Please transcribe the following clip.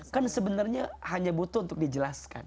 kan sebenarnya hanya butuh untuk dijelaskan